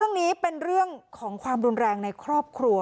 เรื่องนี้เป็นเรื่องของความรุนแรงในครอบครัว